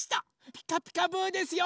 「ピカピカブ！」ですよ。